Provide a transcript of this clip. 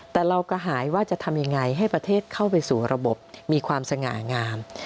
แต่เรากระหายว่าจะทำยังไงให้ประเทศเข้าไปสู่ระบบมีความสง่างาม